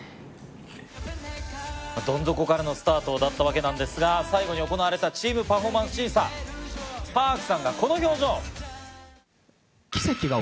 どん底からのスタートだったわけなんですが最後に行われたチームパフォーマンス審査Ｐａｒｋさんがこの表情。